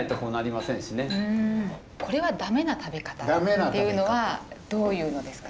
これは駄目な食べ方というのはどういうのですかね？